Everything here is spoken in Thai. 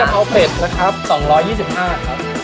พี่จะเอาเด็ดแล้วครับสองร้อยยี่สิบห้าครับ